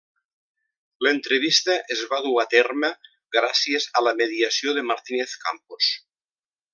L'entrevista es va dur a terme gràcies a la mediació de Martínez Campos.